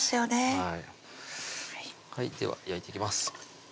はいでは焼いていきます